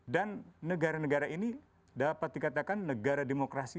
dan negara negara ini dapat dikatakan negara demokrasi